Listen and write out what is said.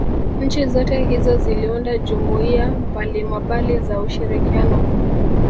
Nchi zote hizo ziliunda jumuiya mbalimabali za ushirikiano